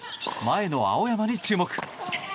前の青山に注目。